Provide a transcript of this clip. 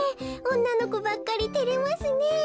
おんなのこばっかりてれますねえ。